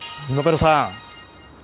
今村さん。